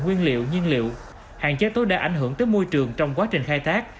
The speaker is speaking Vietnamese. nguyên liệu nhiên liệu hạn chế tối đa ảnh hưởng tới môi trường trong quá trình khai thác